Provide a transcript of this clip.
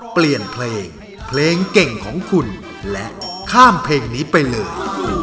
เปลี่ยนเพลงเพลงเก่งของคุณและข้ามเพลงนี้ไปเลย